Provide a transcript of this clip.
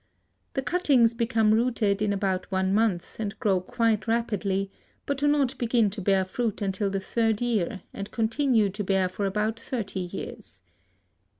The cuttings become rooted in about one month and grow quite rapidly, but do not begin to bear fruit until the third year and continue to bear for about thirty years.